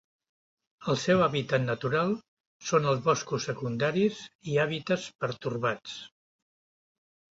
El seu hàbitat natural són els boscos secundaris i hàbitats pertorbats.